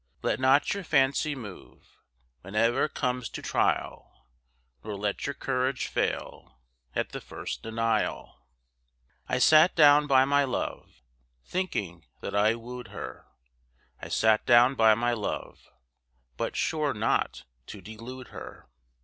Let not your fancy move Whene'er it comes to trial; Nor let your courage fail At the first denial. I sat down by my love, Thinking that I woo'd her; I sat down by my love, But sure not to delude her.